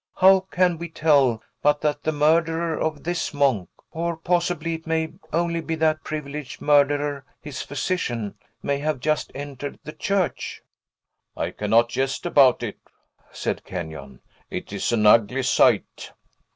"How can we tell but that the murderer of this monk (or, possibly, it may be only that privileged murderer, his physician) may have just entered the church?" "I cannot jest about it," said Kenyon. "It is an ugly sight!"